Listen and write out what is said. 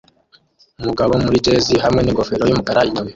Umugabo muri jersey hamwe n'ingofero yumukara inyuma